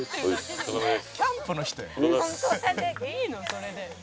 それで」